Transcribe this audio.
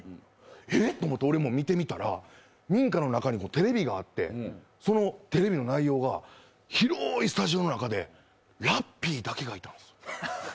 えっと思って俺も見てみたら民家の中にテレビがあって、そのテレビの内容が広いスタジオの中でラッピーだけがいたんです。